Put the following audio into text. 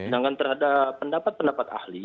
dengan terhadap pendapat pendapat ahli